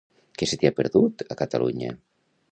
Què se t'hi ha perdut, a Catalunya?